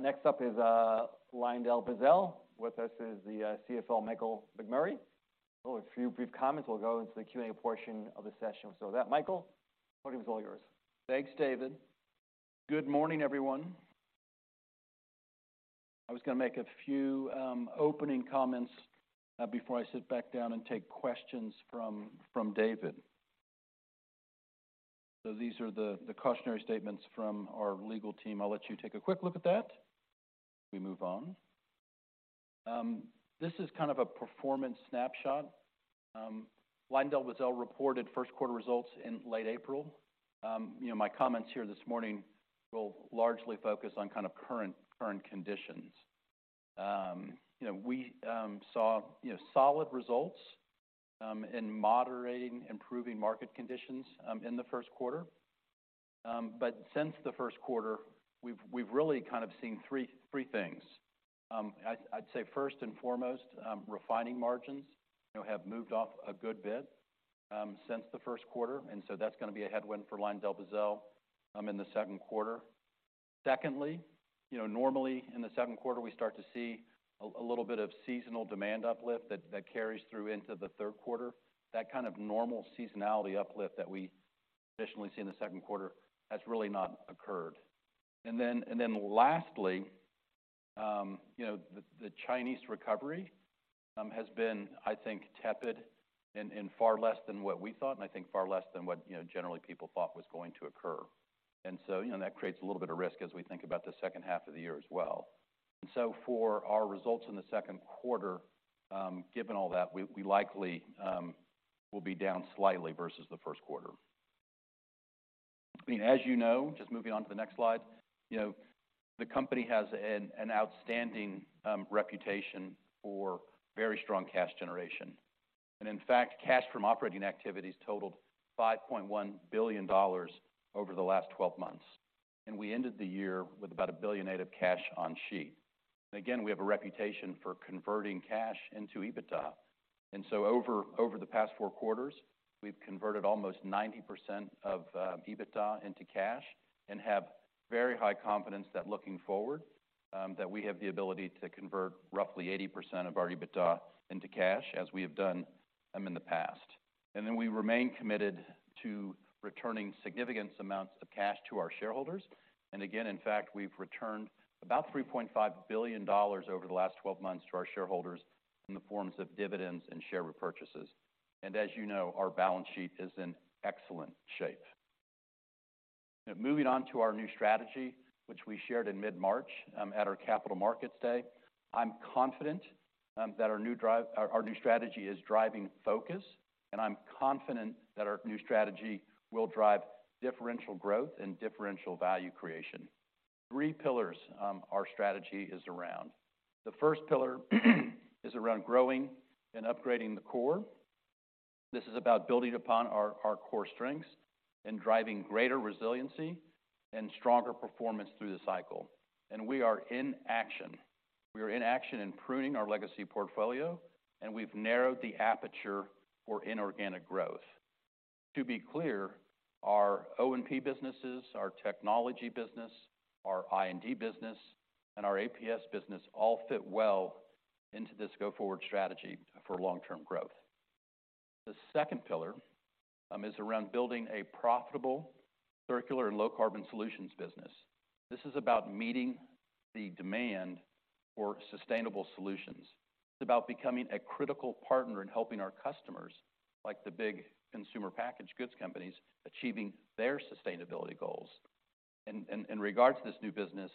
Next up is LyondellBasell. With us is the CFO, Michael McMurray. A few brief comments, we'll go into the Q&A portion of the session. With that, Michael, the floor is all yours. Thanks, David. Good morning, everyone. I was gonna make a few opening comments before I sit back down and take questions from, from David. These are the, the cautionary statements from our legal team. I'll let you take a quick look at that. We move on. This is kind of a performance snapshot. LyondellBasell reported first quarter results in late April. You know, my comments here this morning will largely focus on kind of current, current conditions. You know, we saw, you know, solid results in moderating, improving market conditions in the first quarter. Since the first quarter, we've, we've really kind of seen three, three things. I'd say first and foremost, refining margins, you know, have moved off a good bit since the first quarter, and so that's gonna be a headwind for LyondellBasell in the second quarter. Secondly, you know, normally in the second quarter, we start to see a, a little bit of seasonal demand uplift that, that carries through into the third quarter. That kind of normal seasonality uplift that we traditionally see in the second quarter, that's really not occurred. And then lastly, you know, the, the Chinese recovery has been, I think, tepid and, and far less than what we thought, and I think far less than what, you know, generally people thought was going to occur. You know, that creates a little bit of risk as we think about the second half of the year as well. For our results in the second quarter, given all that, we, we likely, will be down slightly versus the first quarter. I mean, as you know, just moving on to the next slide, you know, the company has an outstanding reputation for very strong cash generation. In fact, cash from operating activities totaled $5.1 billion over the last 12 months, and we ended the year with about $1.8 billion of cash on sheet. Again, we have a reputation for converting cash into EBITDA. Over, over the past four quarters, we've converted almost 90% of EBITDA into cash and have very high confidence that looking forward, that we have the ability to convert roughly 80% of our EBITDA into cash, as we have done in the past. We remain committed to returning significant amounts of cash to our shareholders. In fact, we've returned about $3.5 billion over the last 12 months to our shareholders in the forms of dividends and share repurchases. As you know, our balance sheet is in excellent shape. Moving on to our new strategy, which we shared in mid-March, at our Capital Markets Day, I'm confident that our new strategy is driving focus, and I'm confident that our new strategy will drive differential growth and differential value creation. Three pillars our strategy is around. The first pillar is around growing and upgrading the core. This is about building upon our core strengths and driving greater resiliency and stronger performance through the cycle. We are in action. We are in action in pruning our legacy portfolio, and we've narrowed the aperture for inorganic growth. To be clear, our O&P businesses, our technology business, our I&D business, and our APS business all fit well into this go-forward strategy for long-term growth. The second pillar is around building a profitable, circular, and low-carbon solutions business. This is about meeting the demand for sustainable solutions. It's about becoming a critical partner in helping our customers, like the big consumer packaged goods companies, achieving their sustainability goals. In regards to this new business,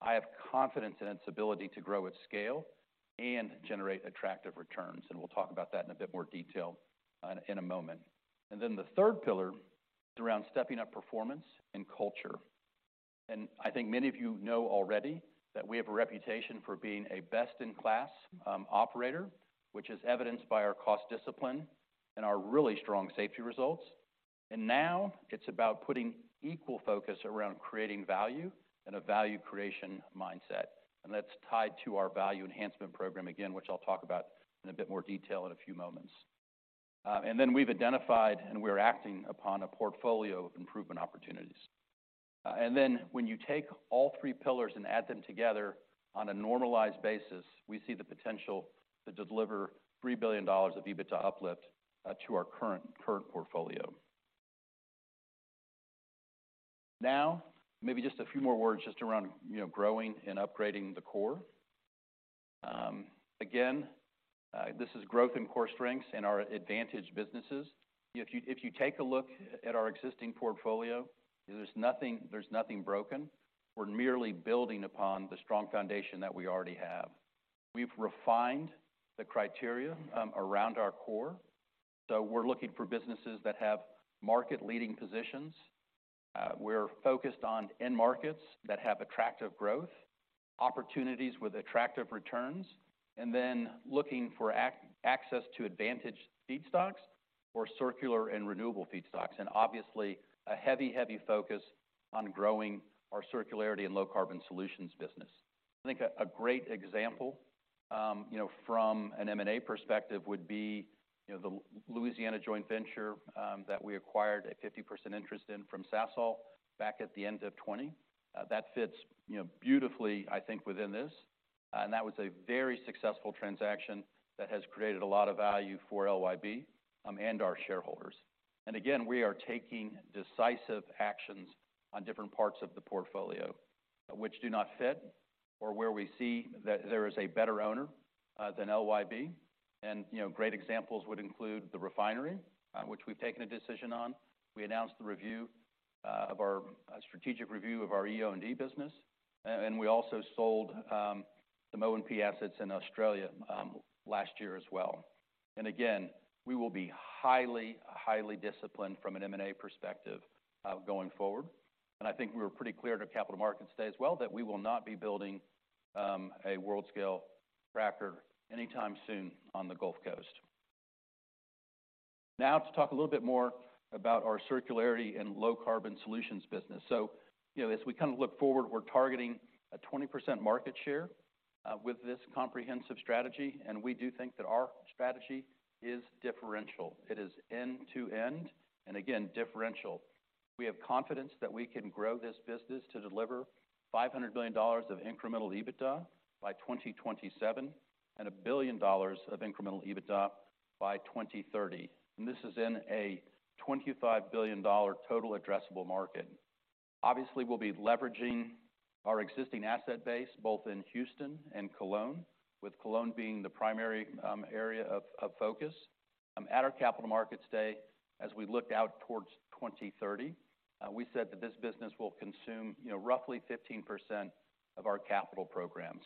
I have confidence in its ability to grow at scale and generate attractive returns, and we'll talk about that in a bit more detail in a moment. Then the third pillar is around stepping up performance and culture. I think many of you know already that we have a reputation for being a best-in-class operator, which is evidenced by our cost discipline and our really strong safety results. Now it's about putting equal focus around creating value and a value creation mindset, and that's tied to our Value Enhancement Program, again, which I'll talk about in a bit more detail in a few moments. We've identified, and we're acting upon a portfolio of improvement opportunities. When you take all three pillars and add them together on a normalized basis, we see the potential to deliver $3 billion of EBITDA uplift to our current, current portfolio. Now, maybe just a few more words just around, you know, growing and upgrading the core. Again, this is growth in core strengths in our advantage businesses. If you, if you take a look at our existing portfolio, there's nothing, there's nothing broken. We're merely building upon the strong foundation that we already have. We've refined the criteria, around our core, so we're looking for businesses that have market-leading positions. We're focused on end markets that have attractive growth, opportunities with attractive returns, and then looking for access to advantage feedstocks or circular and renewable feedstocks, and obviously, a heavy, heavy focus on growing our Circular and Low Carbon Solutions business. I think you know, from an M&A perspective would be, you know, the Louisiana joint venture, that we acquired a 50% interest in from Sasol back at the end of 2020. That fits, you know, beautifully, I think, within this. That was a very successful transaction that has created a lot of value for LYB and our shareholders. Again, we are taking decisive actions on different parts of the portfolio which do not fit or where we see that there is a better owner than LYB. You know, great examples would include the refinery, which we've taken a decision on. We announced the strategic review of our EO&D business, and we also sold some O&P assets in Australia last year as well. Again, we will be highly, highly disciplined from an M&A perspective going forward. I think we were pretty clear to Capital Markets Day as well, that we will not be building a world-scale cracker anytime soon on the Gulf Coast. To talk a little bit more about our Circular and Low Carbon Solutions business. You know, as we kind of look forward, we're targeting a 20% market share with this comprehensive strategy. We do think that our strategy is differential. It is end-to-end, again, differential. We have confidence that we can grow this business to deliver $500 million of incremental EBITDA by 2027, and a billion dollars of incremental EBITDA by 2030. This is in a $25 billion total addressable market. Obviously, we'll be leveraging our existing asset base, both in Houston and Cologne, with Cologne being the primary area of focus. At our Capital Markets Day, as we looked out towards 2030, we said that this business will consume, you know, roughly 15% of our capital program.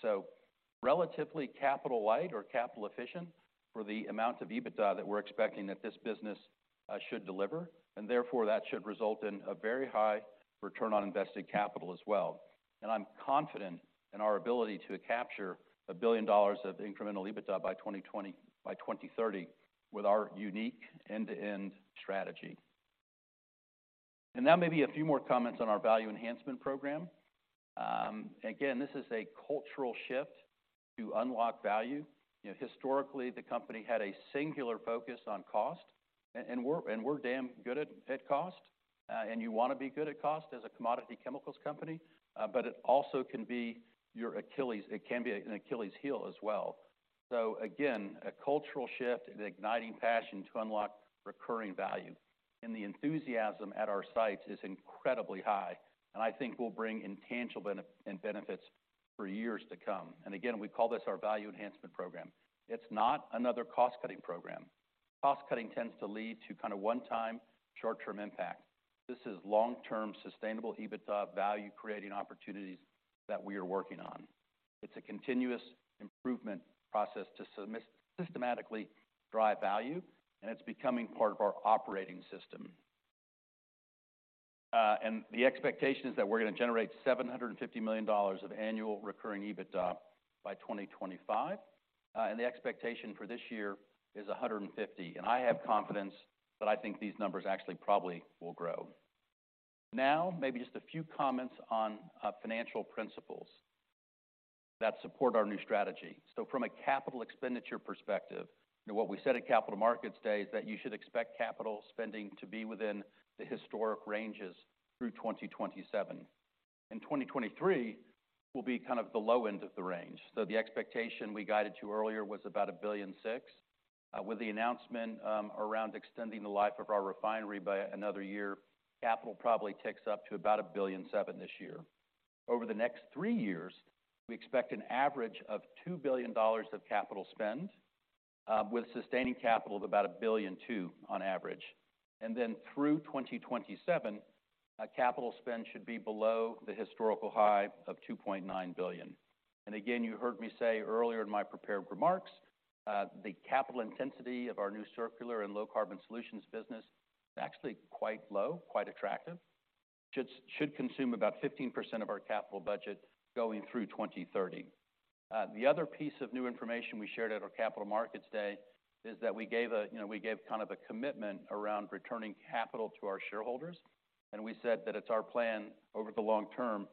Relatively capital light or capital efficient for the amount of EBITDA that we're expecting that this business should deliver, and therefore, that should result in a very high return on invested capital as well. I'm confident in our ability to capture a billion dollars of incremental EBITDA by 2020-- by 2030 with our unique end-to-end strategy. Now, maybe a few more comments on our Value Enhancement Program. Again, this is a cultural shift to unlock value. You know, historically, the company had a singular focus on cost, and, and we're, and we're damn good at, at cost. And you wanna be good at cost as a commodity chemicals company, but it also can be your Achilles-- it can be an Achilles heel as well. Again, a cultural shift and igniting passion to unlock recurring value. The enthusiasm at our sites is incredibly high, and I think will bring intangible benefits for years to come. Again, we call this our Value Enhancement Program. It's not another cost-cutting program. Cost-cutting tends to lead to kind of one-time, short-term impact. This is long-term, sustainable EBITDA value-creating opportunities that we are working on. It's a continuous improvement process to systematically drive value, and it's becoming part of our operating system. The expectation is that we're gonna generate $750 million of annual recurring EBITDA by 2025, and the expectation for this year is $150 million. I have confidence that I think these numbers actually probably will grow. Maybe just a few comments on financial principles that support our new strategy. From a capital expenditure perspective, and what we said at Capital Markets Day, is that you should expect capital spending to be within the historic ranges through 2027. In 2023, will be kind of the low end of the range. The expectation we guided to earlier was about $1.6 billion. With the announcement around extending the life of our refinery by another year, capital probably ticks up to about $1.7 billion this year. Over the next three years, we expect an average of $2 billion of capital spend, with sustaining capital of about $1.2 billion on average. Through 2027, our capital spend should be below the historical high of $2.9 billion. Again, you heard me say earlier in my prepared remarks, the capital intensity of our new Circular and Low Carbon Solutions business is actually quite low, quite attractive. Should, should consume about 15% of our capital budget going through 2030. The other piece of new information we shared at our Capital Markets Day is that we gave a, you know, we gave kind of a commitment around returning capital to our shareholders, and we said that it's our plan over the long term,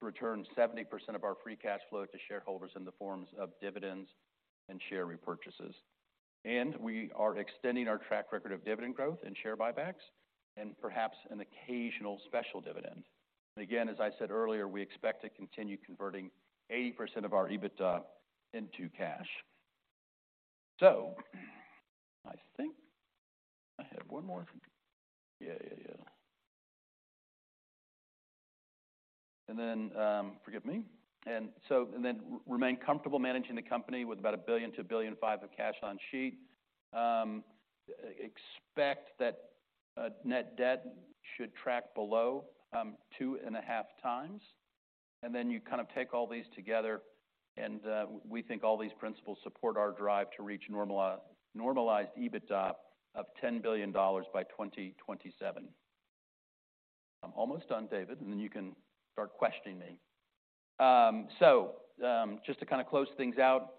to return 70% of our free cash flow to shareholders in the forms of dividends and share repurchases. We are extending our track record of dividend growth and share buybacks, and perhaps an occasional special dividend. Again, as I said earlier, we expect to continue converting 80% of our EBITDA into cash. I think I have one more. Yeah, yeah, yeah. Forgive me. Remain comfortable managing the company with about $1 billion to $1.5 billion of cash on sheet. Expect that net debt should track below 2.5x, you kind of take all these together, we think all these principles support our drive to reach normalized EBITDA of $10 billion by 2027. I'm almost done, David, you can start questioning me. Just to kind of close things out.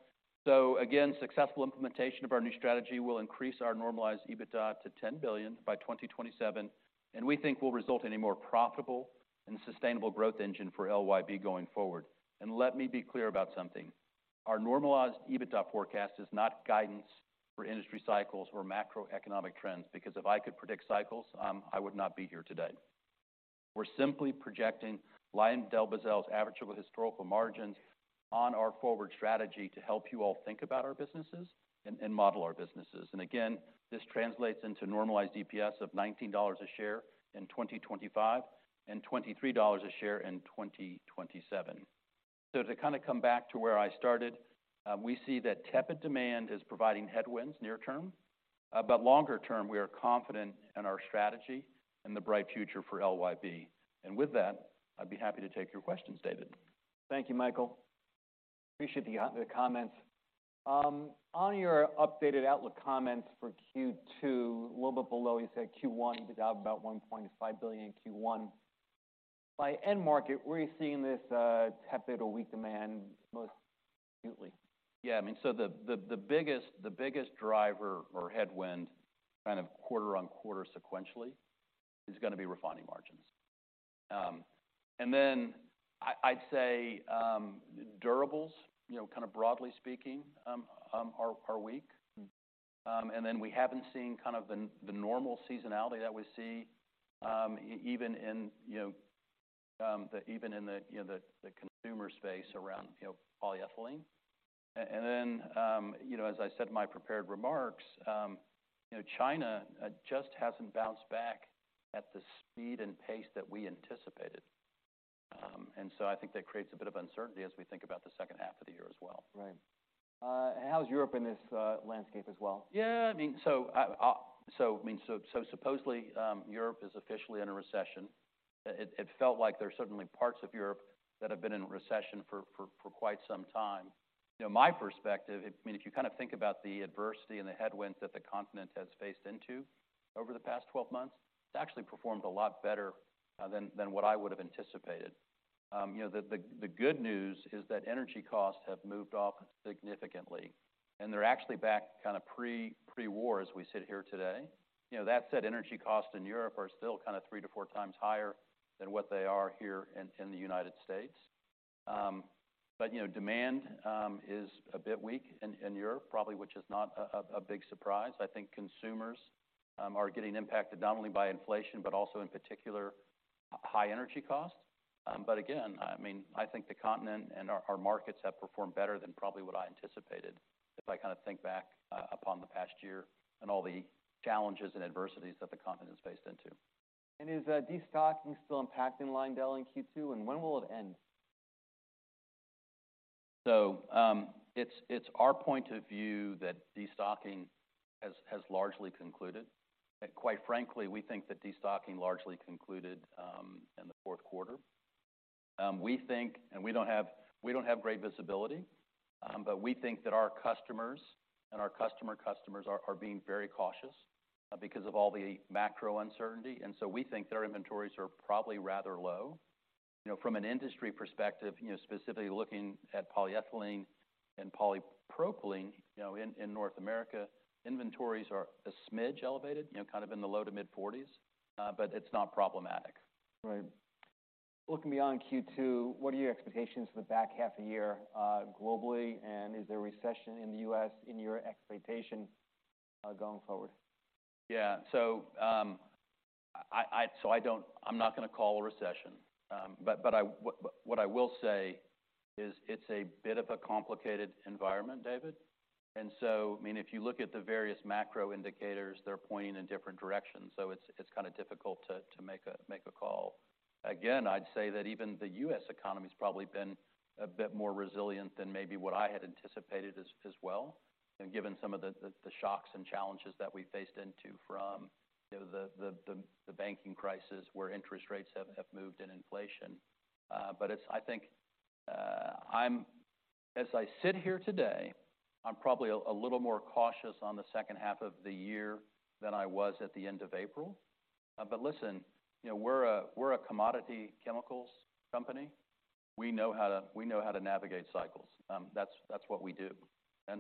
Again, successful implementation of our new strategy will increase our normalized EBITDA to $10 billion by 2027, and we think will result in a more profitable and sustainable growth engine for LYB going forward. Let me be clear about something. Our normalized EBITDA forecast is not guidance for industry cycles or macroeconomic trends, because if I could predict cycles, I would not be here today. We're simply projecting LyondellBasell's average over historical margins on our forward strategy to help you all think about our businesses and, and model our businesses. Again, this translates into normalized EPS of $19 a share in 2025, and $23 a share in 2027. To kinda come back to where I started, we see that tepid demand is providing headwinds near term, but longer term, we are confident in our strategy and the bright future for LYB. With that, I'd be happy to take your questions, David. Thank you, Michael. Appreciate the comments. On your updated outlook comments for Q2, a little bit below, you said Q1 was out about $1.5 billion in Q1. By end market, where are you seeing this tepid or weak demand most acutely? Yeah, I mean, the, the, the biggest, the biggest driver or headwind, kind of quarter-on-quarter sequentially, is gonna be refining margins. Then I, I'd say, durables, you know, kind of broadly speaking, are, are weak. We haven't seen kind of the normal seasonality that we see, even in, you know, even in the, you know, the, the consumer space around, you know, polyethylene. You know, as I said in my prepared remarks, you know, China just hasn't bounced back at the speed and pace that we anticipated. I think that creates a bit of uncertainty as we think about the second half of the year as well. Right. How's Europe in this landscape as well? Yeah, I mean, I mean, supposedly, Europe is officially in a recession. It, it felt like there's certainly parts of Europe that have been in a recession for, for, for quite some time. You know, my perspective, I mean, if you kinda think about the adversity and the headwinds that the continent has faced into over the past 12 months, it's actually performed a lot better than, than what I would have anticipated. You know, the, the, the good news is that energy costs have moved off significantly, and they're actually back kinda pre, pre-war as we sit here today. You know, that said, energy costs in Europe are still kinda 3x to 4x higher than what they are here in, in the United States. You know, demand is a bit weak in, in Europe, probably, which is not a big surprise. I think consumers are getting impacted not only by inflation, but also, in particular, high energy costs. Again, I mean, I think the continent and our, our markets have performed better than probably what I anticipated, if I kinda think back upon the past year and all the challenges and adversities that the continent is faced into. Is destocking still impacting Lyondell in Q2, and when will it end? It's, it's our point of view that destocking has, has largely concluded. Quite frankly, we think that destocking largely concluded in the fourth quarter. We think, and we don't have-- we don't have great visibility, but we think that our customers and our customer customers are, are being very cautious because of all the macro uncertainty, and so we think their inventories are probably rather low. You know, from an industry perspective, you know, specifically looking at polyethylene and polypropylene, you know, in, in North America, inventories are a smidge elevated, you know, kind of in the low to mid-40s, but it's not problematic. Right. Looking beyond Q2, what are your expectations for the back half of the year, globally, and is there a recession in the U.S. in your expectation, going forward? Yeah. I'm not gonna call a recession. What I will say is it's a bit of a complicated environment, David. I mean, if you look at the various macro indicators, they're pointing in different directions, so it's kinda difficult to make a call. Again, I'd say that even the U.S. economy's probably been a bit more resilient than maybe what I had anticipated as well, and given some of the shocks and challenges that we faced into from, you know, the banking crisis, where interest rates have moved in inflation. As I sit here today, I'm probably a little more cautious on the second half of the year than I was at the end of April. Listen, you know, we're a, we're a commodity chemicals company. We know how to, we know how to navigate cycles. That's, that's what we do.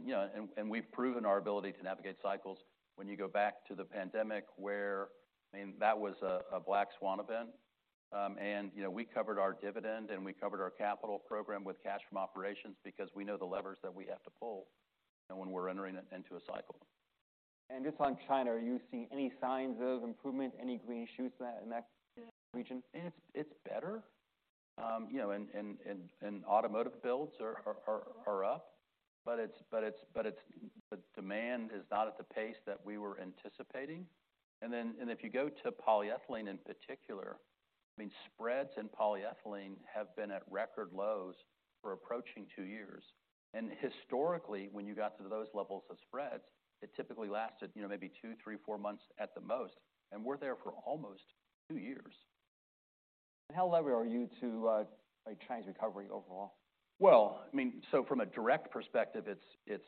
You know, and, and we've proven our ability to navigate cycles when you go back to the pandemic, where, I mean, that was a, a black swan event. You know, we covered our dividend, and we covered our capital program with cash from operations because we know the levers that we have to pull when we're entering into a cycle. Just on China, are you seeing any signs of improvement, any green shoots in that, in that region? It's better. you know, and automotive builds are up, but demand is not at the pace that we were anticipating. If you go to polyethylene in particular, I mean, spreads in polyethylene have been at record lows for approaching two years. Historically, when you got to those levels of spreads, it typically lasted, you know, maybe two, three, four months at the most, and we're there for almost two years. How lever are you to, like, China's recovery overall? I mean, so from a direct perspective, it's, it's,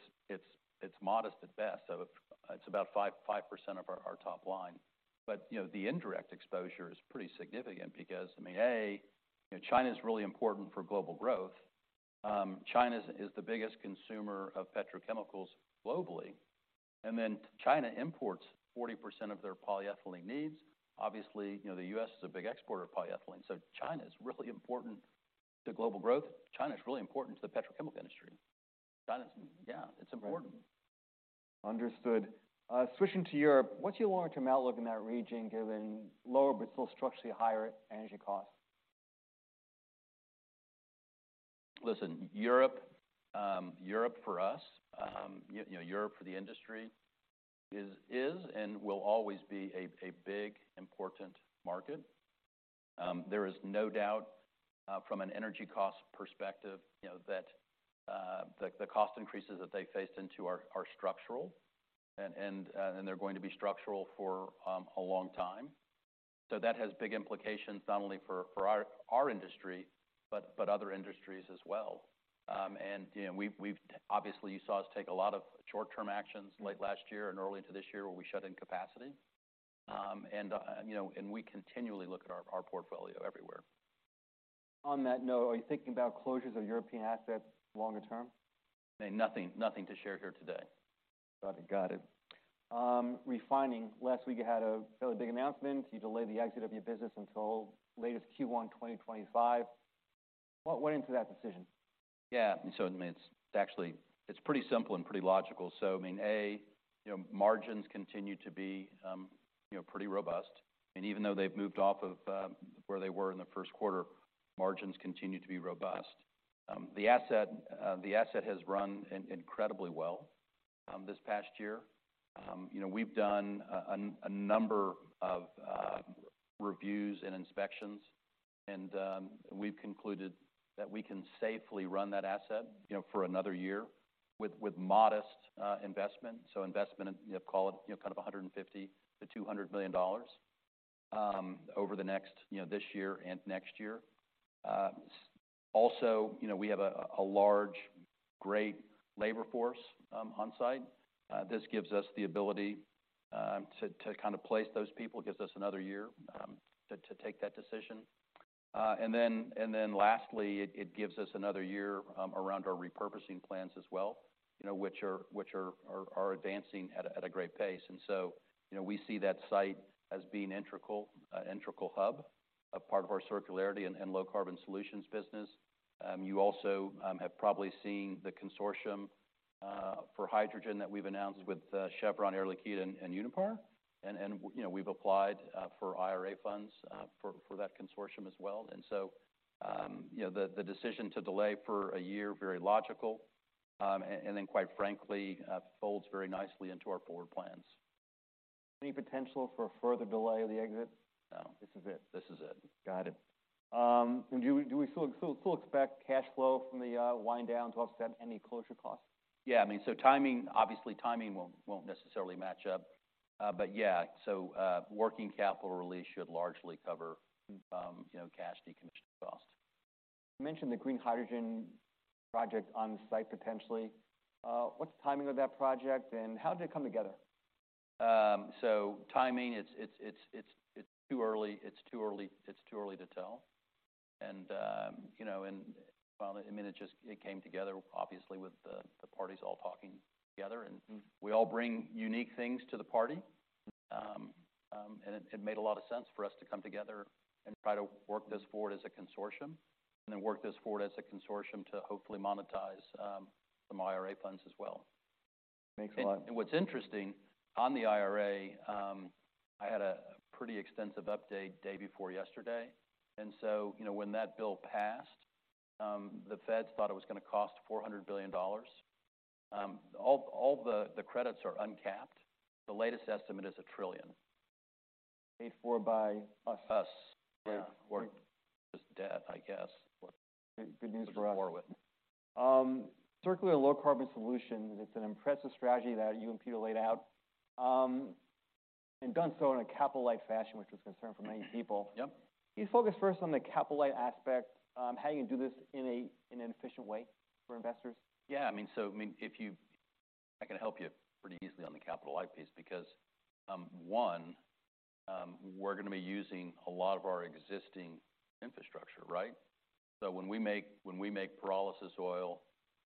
it's modest at best. It's about 5% of our, our top line. You know, the indirect exposure is pretty significant because, I mean, China is really important for global growth. China is, is the biggest consumer of petrochemicals globally, and China imports 40% of their polyethylene needs. Obviously, you know, the U.S. is a big exporter of polyethylene, so China is really important to global growth. China is really important to the petrochemical industry. China's, yeah, it's important. Understood. Switching to Europe, what's your long-term outlook in that region, given lower but still structurally higher energy costs? Listen, Europe, Europe for us, you know, Europe for the industry is, is and will always be a, a big, important market. There is no doubt, from an energy cost perspective, you know, that the cost increases that they faced into are, are structural, and, and, and they're going to be structural for a long time. That has big implications, not only for our industry, but, but other industries as well. You know, we've, we've, obviously, you saw us take a lot of short-term actions late last year and early into this year, where we shut in capacity. You know, and we continually look at our, our portfolio everywhere. On that note, are you thinking about closures of European assets longer term? Nothing, nothing to share here today. Got it. Got it. refining. Last week, you had a fairly big announcement. You delayed the exit of your business until latest Q1, 2025. What went into that decision? Yeah. I mean, it's actually, it's pretty simple and pretty logical. I mean, A, you know, margins continue to be, you know, pretty robust. Even though they've moved off of, where they were in the first quarter, margins continue to be robust. The asset, the asset has run incredibly well, this past year. You know, we've done a number of reviews and inspections, and we've concluded that we can safely run that asset, you know, for another year with modest investment. Investment in, you know, call it, you know, kind of $150 million to $200 million, over the next, you know, this year and next year. Also, you know, we have a large, great labor force on site. This gives us the ability to, to kind of place those people, gives us another year to, to take that decision. Lastly, it, it gives us another year around our repurposing plans as well, you know, which are, which are, are advancing at a, at a great pace. You know, we see that site as being integral, an integral hub, a part of our Circular and Low Carbon Solutions business. You also have probably seen the consortium for hydrogen that we've announced with Chevron, Air Liquide, and Uniper, and, and, you know, we've applied for IRA funds for, for that consortium as well. You know, the, the decision to delay for a year, very logical, and then, quite frankly, folds very nicely into our forward plans. Any potential for a further delay of the exit? No, this is it. This is it. Got it. Do we, do we still, still expect cash flow from the wind down to offset any closure costs? Yeah, I mean, so timing, obviously, timing won't, won't necessarily match up, but yeah. Working capital release should largely cover, you know, cash decommission costs. You mentioned the green hydrogen project on site, potentially. What's the timing of that project, and how did it come together? Timing, it's, it's, it's, it's too early. It's too early to tell. You know, and, well, I mean, it just came together, obviously, with the, the parties all talking together, and we all bring unique things to the party. It, it made a lot of sense for us to come together and try to work this forward as a consortium, and then work this forward as a consortium to hopefully monetize, some IRA funds as well. Thanks a lot. What's interesting on the IRA, I had a pretty extensive update day before yesterday, you know, when that bill passed, the Feds thought it was going to cost $400 billion. All, all the, the credits are uncapped. The latest estimate is a trillion dollars. Paid for by? Us. Us. Yeah. Just debt, I guess. Good news for us. Forward. Circular and Low Carbon Solutions, it's an impressive strategy that you and Peter laid out, and done so in a capital light fashion, which was a concern for many people. Yep. Can you focus first on the capital light aspect, how you can do this in a, in an efficient way for investors? Yeah, I mean, I can help you pretty easily on the capital light piece, because one, we're going to be using a lot of our existing infrastructure, right? When we make, when we make pyrolysis oil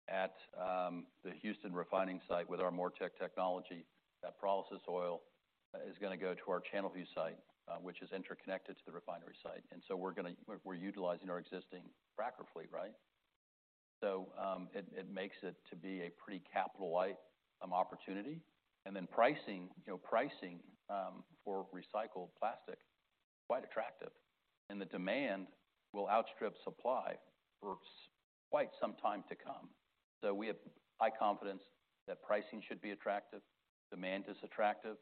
at the Houston refining site with our MoReTec technology, that pyrolysis oil is going to go to our Channelview site, which is interconnected to the refinery site. We're utilizing our existing cracker fleet, right? It, it makes it to be a pretty capital light opportunity. Pricing, you know, pricing for recycled plastic, quite attractive. The demand will outstrip supply for quite some time to come. We have high confidence that pricing should be attractive, demand is attractive.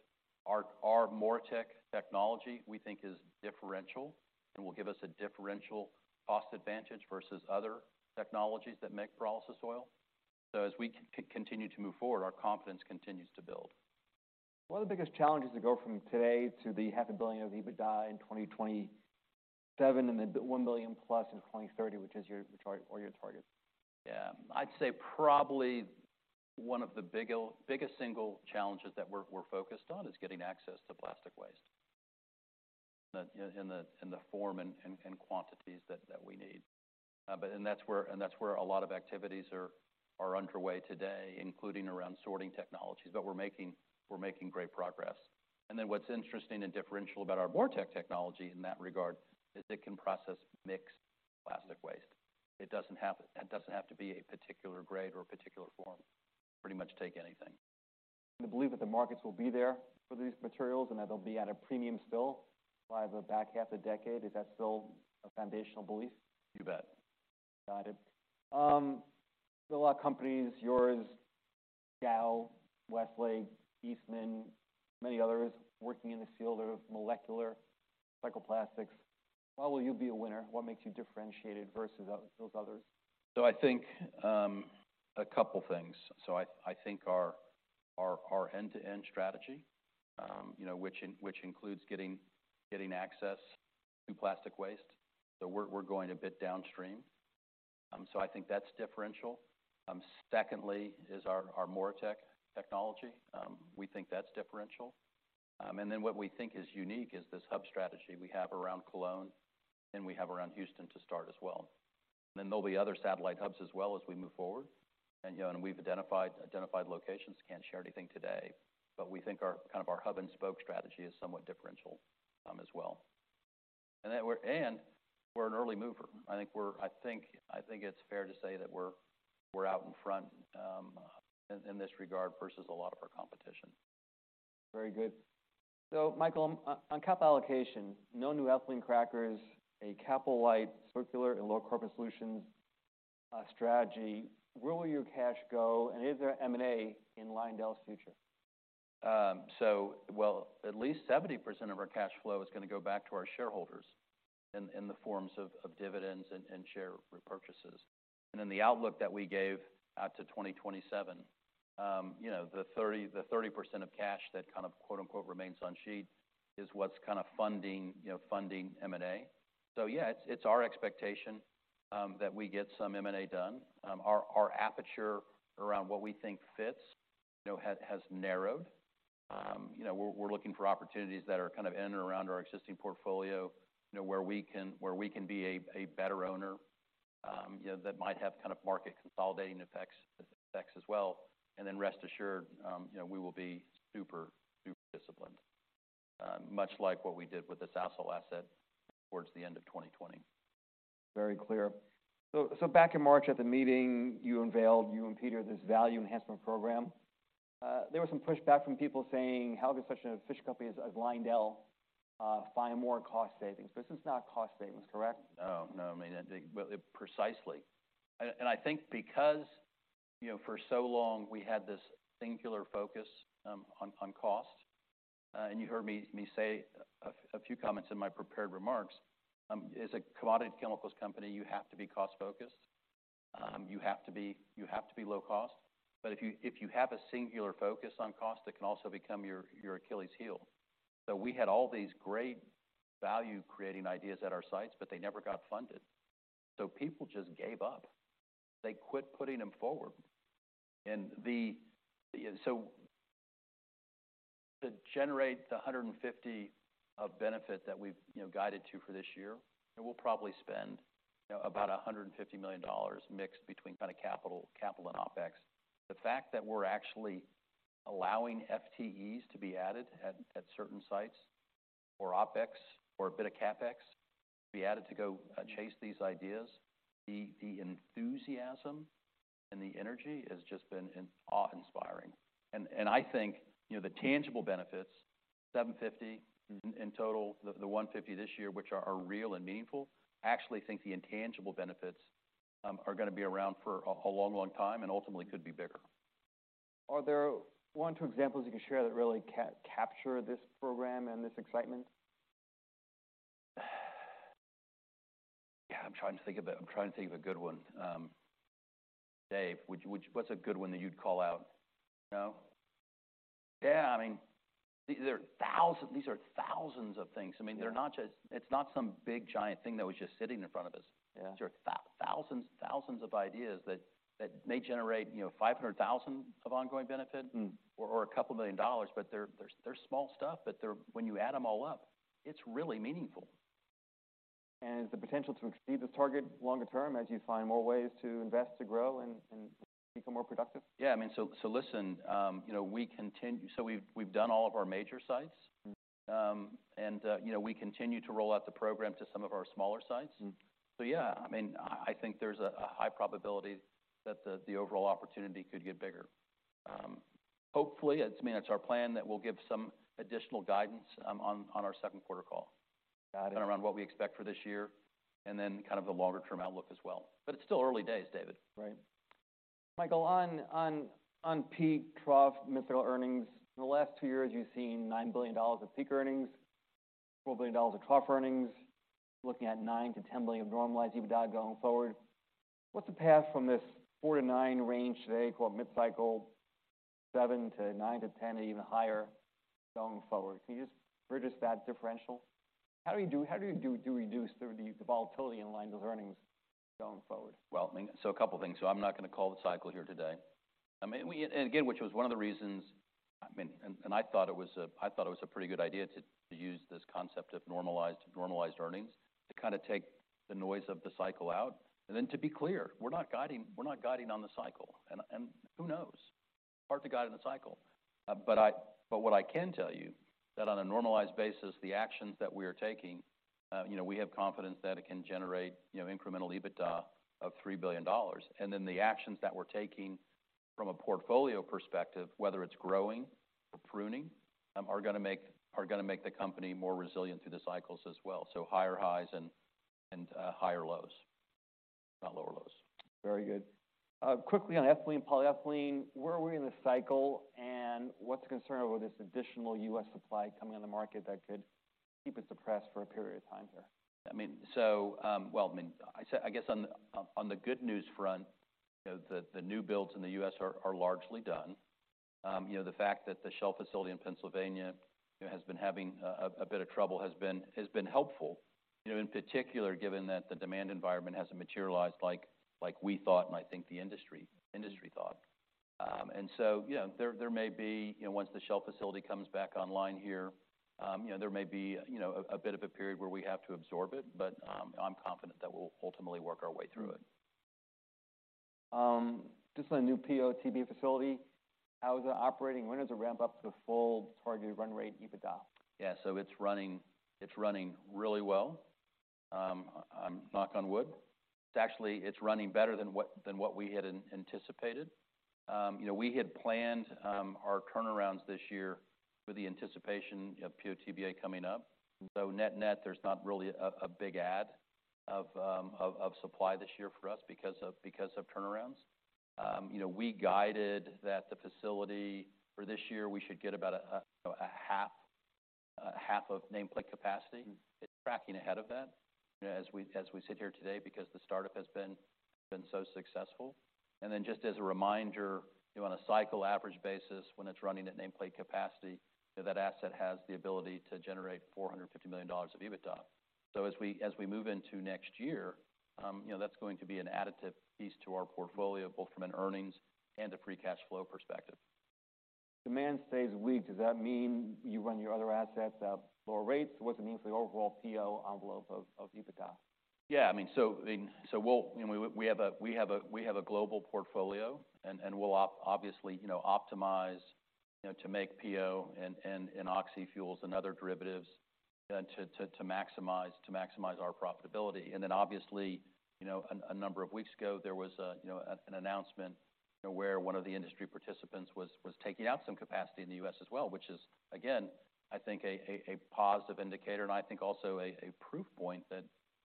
Our, our MoReTec technology, we think, is differential and will give us a differential cost advantage versus other technologies that make pyrolysis oil. As we continue to move forward, our confidence continues to build. What are the biggest challenges to go from today to the $500 million of EBITDA in 2027, and then $1 billion+ in 2030, which is your target, or your target? Yeah, I'd say probably one of the biggest single challenges that we're, we're focused on is getting access to plastic waste in the, in the form and, and, and quantities that, that we need. That's where a lot of activities are, are underway today, including around sorting technologies. We're making, we're making great progress. Then what's interesting and differential about our MoReTec technology in that regard, is it can process mixed plastic waste. It doesn't have, it doesn't have to be a particular grade or a particular form, pretty much take anything. You believe that the markets will be there for these materials, and that they'll be at a premium still by the back half of the decade? Is that still a foundational belief? You bet. Got it. There are a lot of companies, yours, Dow, Westlake, Eastman, many others working in the field of molecular cycle plastics. Why will you be a winner? What makes you differentiated versus those others? I think a couple things. I, I think our, our, our end-to-end strategy, you know, which includes getting, getting access to plastic waste. We're, we're going a bit downstream. I think that's differential. Secondly, is our, our MoReTec technology. We think that's differential. And then what we think is unique is this hub strategy we have around Cologne and we have around Houston to start as well. There'll be other satellite hubs as well as we move forward, and, you know, and we've identified, identified locations. Can't share anything today, but we think our... kind of our hub and spoke strategy is somewhat differential as well. Then we're and we're an early mover. I think we're, I think, I think it's fair to say that we're, we're out in front, in, in this regard versus a lot of our competition. Very good. Michael, on capital allocation, no new ethylene crackers, a capital light, Circular and Low Carbon Solutions strategy. Where will your cash go, and is there M&A in Lyondell's future? Well, at least 70% of our cash flow is going to go back to our shareholders in, in the forms of, of dividends and, and share repurchases. Then the outlook that we gave out to 2027, you know, the 30, the 30% of cash that kind of quote, unquote, "remains on sheet" is what's kind of funding, you know, funding M&A. Yeah, it's, it's our expectation that we get some M&A done. Our, our aperture around what we think fits, you know, has, has narrowed. You know, we're, we're looking for opportunities that are kind of in and around our existing portfolio, you know, where we can, where we can be a, a better owner, you know, that might have kind of market consolidating effects, effects as well. Rest assured, you know, we will be super, super disciplined, much like what we did with this asset towards the end of 2020. Very clear. back in March, at the meeting, you unveiled, you and Peter, this Value Enhancement Program. There was some pushback from people saying, "How can such an efficient company as Lyondell find more cost savings?" This is not cost savings, correct? Oh, no, I mean, well, precisely. I think because, you know, for so long we had this singular focus on cost, and you heard me say a few comments in my prepared remarks, as a commodity chemicals company, you have to be cost-focused. You have to be low cost. If you have a singular focus on cost, that can also become your Achilles heel. We had all these great value-creating ideas at our sites, but they never got funded, so people just gave up. They quit putting them forward. To generate the 150 of benefit that we've, you know, guided to for this year, and we'll probably spend, you know, about $150 million mixed between kind of CapEx and OpEx. The fact that we're actually allowing FTEs to be added at, at certain sites, or OpEx, or a bit of CapEx be added to go, chase these ideas, the, the enthusiasm and the energy has just been awe inspiring. I think, you know, the tangible benefits, $750 in, in total, the, the $150 this year, which are, are real and meaningful, I actually think the intangible benefits, are going to be around for a, a long, long time, and ultimately could be bigger. Are there one or two examples you can share that really capture this program and this excitement? Yeah, I'm trying to think of a, I'm trying to think of a good one. Dave, what's a good one that you'd call out? No? Yeah, I mean, these are thousands, these are thousands of things. Yeah. I mean, it's not some big, giant thing that was just sitting in front of us. Yeah. There are thousands, thousands of ideas that, that may generate, you know, $500,000 of ongoing benefit or $2 million, but they're small stuff, but when you add them all up, it's really meaningful. The potential to exceed the target longer term as you find more ways to invest, to grow, and, and become more productive? I mean, listen, you know, so we've, we've done all of our major sites. You know, we continue to roll out the program to some of our smaller sites. Yeah, I mean, I, I think there's a, a high probability that the, the overall opportunity could get bigger. Hopefully, I mean, it's our plan that we'll give some additional guidance on our second quarter call around what we expect for this year, and then kind of the longer-term outlook as well. It's still early days, David. Right. Michael, on peak, trough, material earnings, in the last two years, you've seen $9 billion of peak earnings. $4 billion of trough earnings, looking at $9 billion to $10 billion of normalized EBITDA going forward. What's the path from this $4 to $9 range today, called mid-cycle, $7 billion to $9 billion to $10 billion, or even higher going forward? Can you just bridge us that differential? How do you reduce the volatility in line with earnings going forward? Well, a couple of things. I'm not going to call the cycle here today. I mean, and again, which was one of the reasons, I mean, and I thought it was a pretty good idea to use this concept of normalized, normalized earnings to kinda take the noise of the cycle out, and then to be clear, we're not guiding, we're not guiding on the cycle. Who knows? Hard to guide in the cycle. What I can tell you, that on a normalized basis, the actions that we are taking, you know, we have confidence that it can generate, you know, incremental EBITDA of $3 billion. The actions that we're taking from a portfolio perspective, whether it's growing or pruning, are gonna make, are gonna make the company more resilient through the cycles as well. Higher highs and, and, higher lows, not lower lows. Very good. Quickly on ethylene, polyethylene, where are we in the cycle? What's the concern over this additional U.S. supply coming on the market that could keep it suppressed for a period of time here? I mean, Well, I mean, I say, I guess on the, on the good news front, you know, the, the new builds in the U.S. are, are largely done. You know, the fact that the Shell facility in Pennsylvania, you know, has been having a, a bit of trouble has been, has been helpful, you know, in particular, given that the demand environment hasn't materialized like, like we thought, and I think the industry, industry thought. You know, there, there may be, you know, once the Shell facility comes back online here, you know, there may be, you know, a, a bit of a period where we have to absorb it, but, I'm confident that we'll ultimately work our way through it. Just on a new PO/TBA facility, how is it operating? When does it ramp up to full targeted run rate EBITDA? Yeah, so it's running, it's running really well. Knock on wood. It's actually, it's running better than what, than what we had anticipated. You know, we had planned our turnarounds this year with the anticipation of PO/TBA coming up. Net-net, there's not really a, a big ad of supply this year for us because of, because of turnarounds. You know, we guided that the facility for this year, we should get about a, a, you know, a half, a half of nameplate capacity. Mm-hmm. It's tracking ahead of that, you know, as we, as we sit here today, because the startup has been, been so successful. Just as a reminder, you know, on a cycle average basis, when it's running at nameplate capacity, that asset has the ability to generate $450 million of EBITDA. As we, as we move into next year, you know, that's going to be an additive piece to our portfolio, both from an earnings and a free cash flow perspective. Demand stays weak, does that mean you run your other assets at lower rates? What does it mean for the overall PO envelope of, of EBITDA? I mean, so, I mean, so and we, we have a, we have a, we have a global portfolio, and, obviously, you know, optimize, you know, to make PO and, and, and oxyfuels and other derivatives, and to, to, to maximize, to maximize our profitability. Then obviously, you know, a number of weeks ago, there was a, you know, an announcement where one of the industry participants was, was taking out some capacity in the U.S. as well, which is, again, I think a, a, a positive indicator, and I think also a, a proof point that,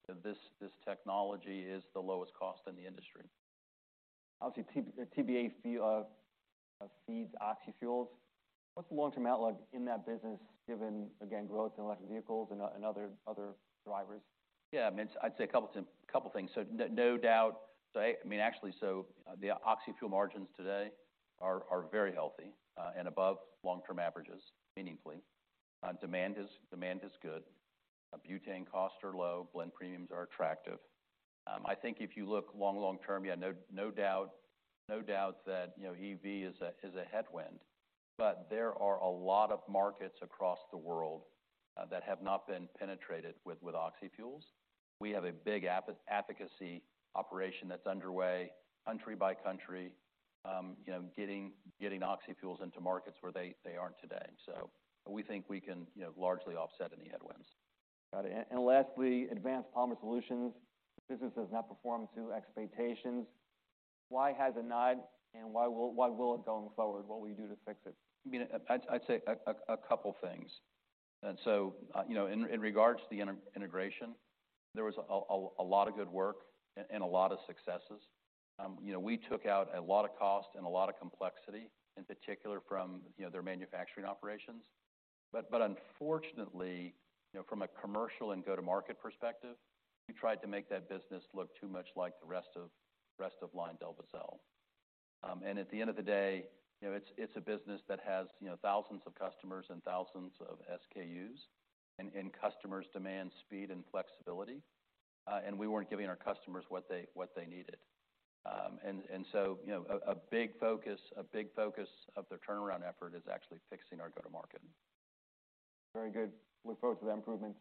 that this, this technology is the lowest cost in the industry. Obviously, TBA, feeds oxyfuels. What's the long-term outlook in that business, given, again, growth in electric vehicles and, and other, other drivers? Yeah, I mean, I'd say a couple of things. No, no doubt, so I mean, actually, so the oxyfuels margins today are very healthy, and above long-term averages, meaningfully. Demand is, demand is good. butane costs are low, blend premiums are attractive. I think if you look long, long term, yeah, no, no doubt, no doubt that, you know, EV is a, is a headwind, but there are a lot of markets across the world, that have not been penetrated with, with oxyfuels. We have a big advocacy operation that's underway country by country, you know, getting, getting oxyfuels into markets where they, they aren't today. We think we can, you know, largely offset any headwinds. Got it. Lastly, Advanced Polymer Solutions. Business does not perform to expectations. Why has it not, and why will, why will it going forward? What will you do to fix it? I mean, I'd, I'd say a, a, a couple of things. You know, in, in regards to the inte- integration, there was a, a, a lot of good work and a lot of successes. You know, we took out a lot of cost and a lot of complexity, in particular from, you know, their manufacturing operations. But unfortunately, you know, from a commercial and go-to-market perspective, we tried to make that business look too much like the rest of, rest of LyondellBasell. At the end of the day, you know, it's, it's a business that has, you know, thousands of customers and thousands of SKUs, and, and customers demand speed and flexibility, and we weren't giving our customers what they, what they needed. You know, a, a big focus, a big focus of the turnaround effort is actually fixing our go-to-market. Very good. Look forward to the improvements.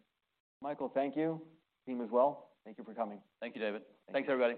Michael, thank you. Team as well, thank you for coming. Thank you, David. Thanks, everybody.